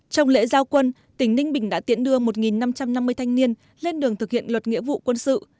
trong lễ giao quân tỉnh ninh bình đã tiễn đưa một năm trăm năm mươi thanh niên lên đường thực hiện luật nghĩa vụ quân sự